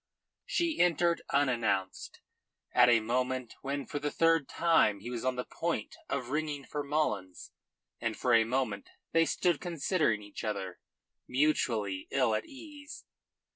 She entered unannounced, at a moment when for the third time he was on the point of ringing for Mullins, and for a moment they stood considering each other mutually ill at ease.